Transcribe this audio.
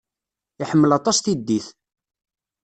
Iḥemmel aṭas tiddit.